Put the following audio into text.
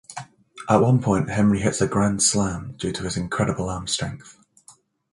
At one point, Henry hits a grand slam due to his incredible arm strength.